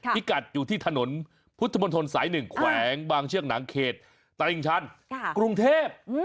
พิกัดอยู่ที่ถนนพุทธมนตรสาย๑แขวงบางเชือกหนังเขตตลิ่งชันกรุงเทพ